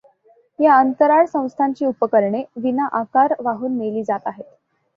या अंतराळ संस्थांची उपकरणे विना आकार वाहून नेली जात आहेत.